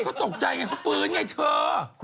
ก็ตกใจไงเมื่อฟื้นไงน่ะคุณ